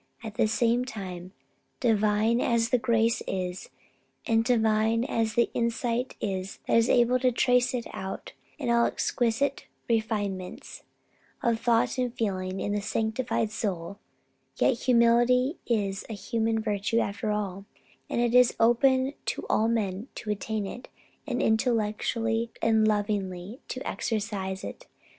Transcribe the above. At the same time, divine as the grace is, and divine as the insight is that is able to trace it out in all its exquisite refinements of thought and feeling in the sanctified soul, yet humility is a human virtue after all, and it is open to all men to attain to it and intelligently and lovingly to exercise it.